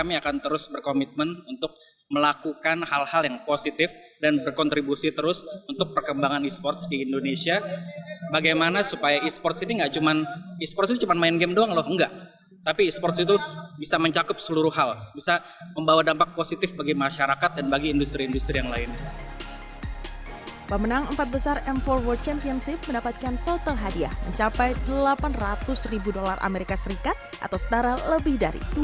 mencapai delapan ratus dolar amerika serikat atau setara lebih dari dua belas miliar rupiah